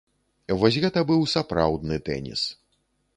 Вось гэта быў сапраўдны тэніс!